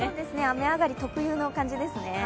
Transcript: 雨上がり特有の感じですね。